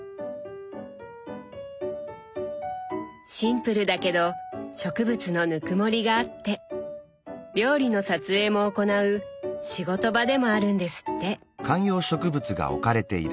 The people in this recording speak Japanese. シンプルだけど植物のぬくもりがあって料理の撮影も行う仕事場でもあるんですって。